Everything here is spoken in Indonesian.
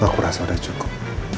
aku rasa udah cukup